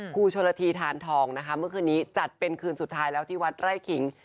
ครูชนละทีทานทองนะคะเมื่อคืนนี้จัดเป็นคืนสุดท้ายแล้วที่วัดไร่ขิง